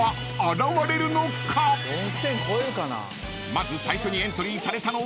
［まず最初にエントリーされたのは］